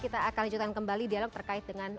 kita akan lanjutkan kembali dialog terkait dengan